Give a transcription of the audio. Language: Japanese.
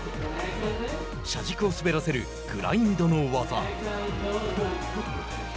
車軸を滑らせるグラインドの技。